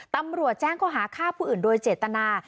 ตำรวจแจ้งเขาหาฆ่าผู้อื่นโดยเจตนา